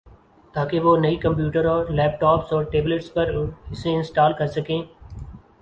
تاکہ وہ نئی کمپیوٹر ، لیپ ٹاپس اور ٹیبلٹس پر اسے انسٹال کر سکیں